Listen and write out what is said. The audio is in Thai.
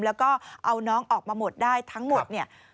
แล้วก็เอาน้องออกมาหมดได้ทั้งหมดเนี่ย